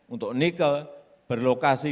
untuk nikel berlokasi